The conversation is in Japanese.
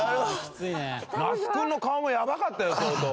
那須君の顔もやばかったよ相当。